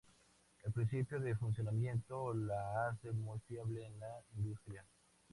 El principio de funcionamiento la hace muy fiable en la industria.